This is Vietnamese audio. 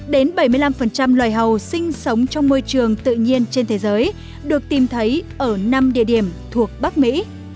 đến bảy mươi năm loài hầu sinh sống trong môi trường tự nhiên trên thế giới được tìm thấy ở năm địa điểm thuộc bắc mỹ